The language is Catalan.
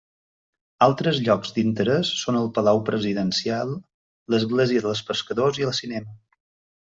Altres llocs d'interès són el Palau Presidencial, l'església dels Pescadors i el cinema.